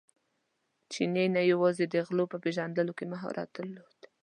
چیني نه یوازې د غلو په پېژندلو کې مهارت درلود.